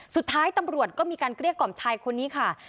สุดท้ายตำรวจก็มีการเกลี้ยกล่อมชายคนนี้ค่ะ